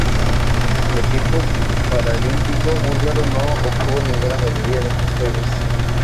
El equipo paralímpico búlgaro no obtuvo ninguna medalla en estos Juegos.